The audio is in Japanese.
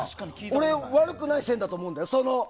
俺、悪くない線だと思うんだよ。